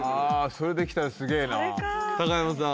それできたらすげえなそれか高山さん